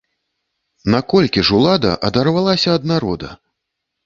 Наколькі ж улада адарвалася ад народа!